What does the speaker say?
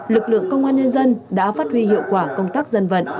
lực lượng công an nhân dân đã phát huy hiệu quả công tác dân vận